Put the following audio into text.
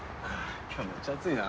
今日めっちゃ暑いな。